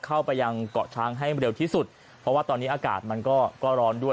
เข้าไปยังเกาะช้างให้เร็วที่สุดเพราะว่าตอนนี้อากาศมันก็ก็ร้อนด้วย